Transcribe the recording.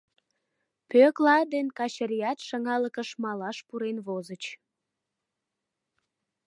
Пӧкла ден Качыриат шыҥалыкыш малаш пурен возыч.